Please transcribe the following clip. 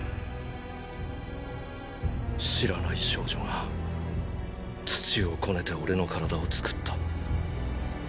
知らない少女が土をこねて俺の体を作った。